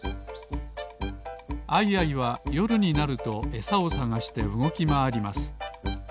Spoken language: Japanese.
アイアイはよるになるとえさをさがしてうごきまわります。